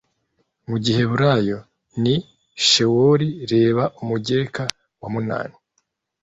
mu giheburayo ni shewoli reba umugereka wa munani